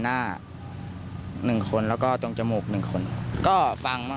โปรดติดตามต่อไป